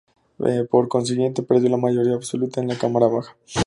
Por consiguiente, perdió la mayoría absoluta en la cámara baja.